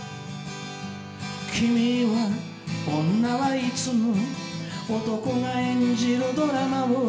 「君は女はいつも男が演じるドラマを」